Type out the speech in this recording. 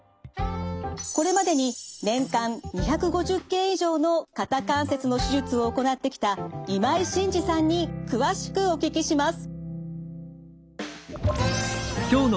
これまでに年間２５０件以上の肩関節の手術を行ってきた今井晋二さんに詳しくお聞きします。